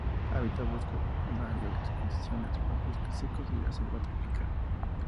Habita bosques primarios de transición entre el bosque seco y la selva tropical.